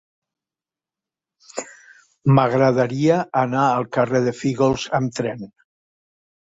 M'agradaria anar al carrer de Fígols amb tren.